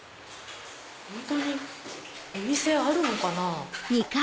本当にお店あるのかな。